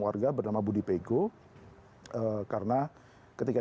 warga bernama budi pego karena ketika